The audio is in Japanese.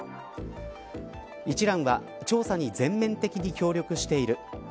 一蘭は調査に全面的に協力している。